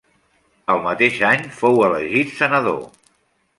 El mateix any fou elegit senador.